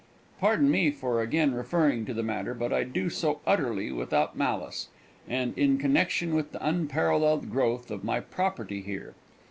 Pardon me for again referring to the matter, but I do so utterly without malice, and in connection with the unparalleled growth of my property here.